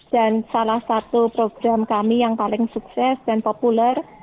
dan salah satu program kami yang paling sukses dan populer